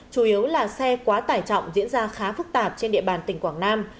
chủ yếu là xe quá tải trọng diễn ra khá phức tạp trên địa bàn tỉnh quảng nam